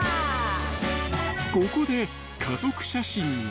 ［ここで家族写真を］